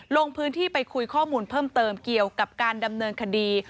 ลงพื้นที่ไปคุยข้อมูลเพิ่มเติมเกี่ยวกับการดำเนินคดี